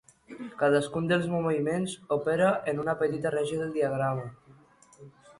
Cadascun dels moviments opera en una petita regió del diagrama.